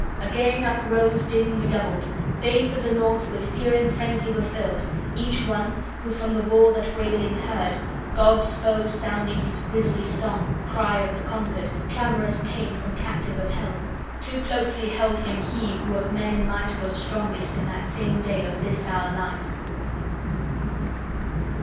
Again uprose din redoubled. Danes of the North with fear and frenzy were filled, each one, who from the wall that wailing heard, God's foe sounding his grisly song, cry of the conquered, clamorous pain from captive of hell. Too closely held him he who of men in might was strongest in that same day of this our life.